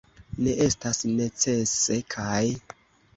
Ne estas necese, kaj.